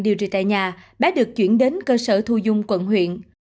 điều trị tại nhà bé được chuyển đến cơ sở thu dung quận huyện